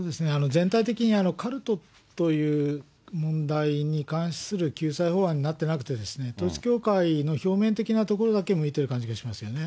全体的にカルトという問題に関する救済法案になってなくて、統一教会の表面的なところだけ見てる気がしますよね。